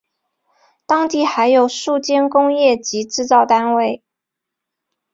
当地还有数间工业及制造单位。